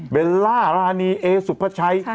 เบลล่ารานีเอสุภาชัย